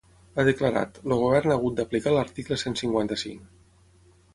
Ha declarat: El govern ha hagut d’aplicar l’article cent cinquanta-cinc.